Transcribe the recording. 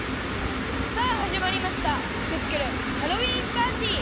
さあはじまりましたクックルンハロウィーンパーティー！